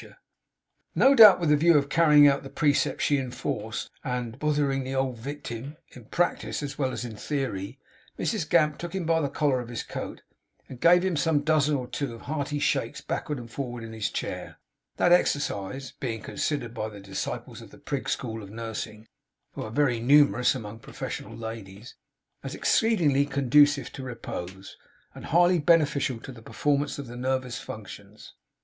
No doubt with the view of carrying out the precepts she enforced, and 'bothering the old wictim' in practice as well as in theory, Mrs Gamp took him by the collar of his coat, and gave him some dozen or two of hearty shakes backward and forward in his chair; that exercise being considered by the disciples of the Prig school of nursing (who are very numerous among professional ladies) as exceedingly conducive to repose, and highly beneficial to the performance of the nervous functions.